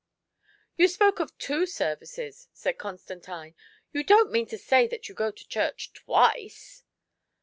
" You spoke of two services," said Constantine ;" you don't mean to say that you go to church twice